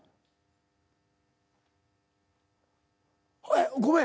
えっごめん。